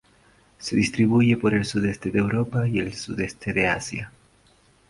Se distribuyen por el sudeste de Europa y el sudoeste de Asia.